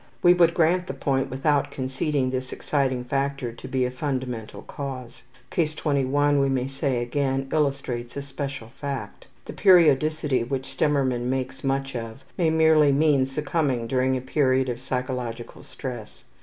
We would grant the point without conceding this exciting factor to be a fundamental cause. (Case 21, we may say again, illustrates a special fact.) The periodicity which Stemmermann makes much of may merely mean succumbing during a period of physiologic stress.